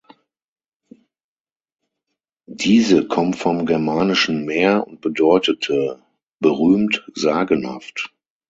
Diese kommt vom germanischen "-mer" und bedeutete "berühmt, sagenhaft".